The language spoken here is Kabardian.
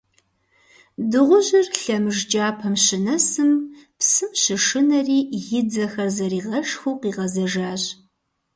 Дыгъужьыр лъэмыж кӀапэм щынэсым, псым щышынэри, и дзэхэр зэригъэшхыу къигъэзэжащ.